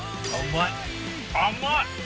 甘い。